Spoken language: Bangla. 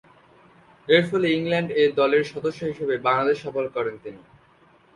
এরফলে ইংল্যান্ড এ দলের সদস্য হিসেবে বাংলাদেশ সফর করেন তিনি।